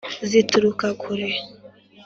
zituruka kure